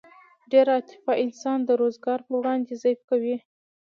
ډېره عاطفه انسان د روزګار په وړاندې ضعیف کوي